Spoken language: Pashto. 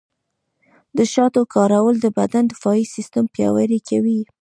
د شاتو کارول د بدن دفاعي سیستم پیاوړی کوي.